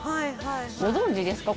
ご存じですか？